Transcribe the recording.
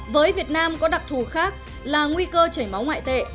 với việt nam có đặc thù khác là nguy cơ chảy máu ngoại tệ